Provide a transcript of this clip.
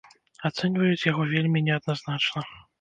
Ацэньваюць яго вельмі неадназначна.